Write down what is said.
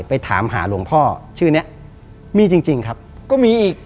ไปถามหาหลวงพ่อชื่อเนี้ยมีจริงจริงครับก็มีอีก